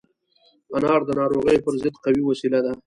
انار د ناروغیو پر ضد قوي وسيله ده.